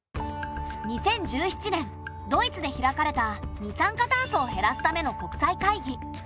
２０１７年ドイツで開かれた二酸化炭素を減らすための国際会議。